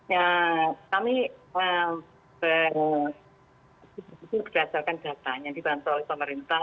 ya kami berdasarkan data yang dibantu oleh pemerintah